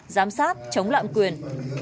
giám sát chống lạm quyền